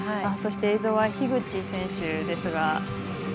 そして、映像は樋口選手ですが。